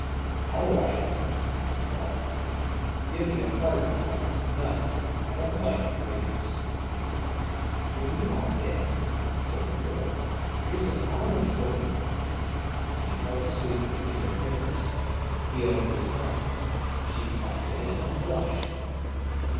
"All right," said Paul. "Give me a hard one—nut. I don't like creams." "Here you are, then," said the girl; "here's an almond for you." She held the sweet between her fingers. He opened his mouth. She popped it in, and blushed.